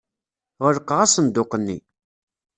Ɣelqeɣ asenduq-nni.